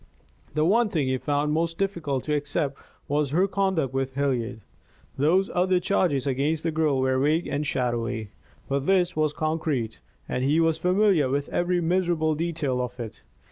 The one thing he found most difficult to accept was her conduct with Hilliard. Those other charges against the girl were vague and shadowy, but this was concrete, and he was familiar with every miserable detail of it.